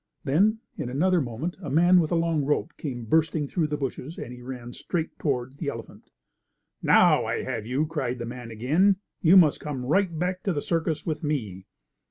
Then, in another moment a man with a long rope came bursting through the bushes, and he ran straight toward the elephant. "Now I have you!" cried the man again. "You must come right back to the circus with me."